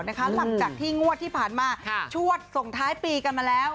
หลังจากที่งวดที่ผ่านมาชวดส่งท้ายปีกันมาแล้ว